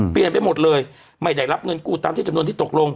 ไปหมดเลยไม่ได้รับเงินกู้ตามที่จำนวนที่ตกลง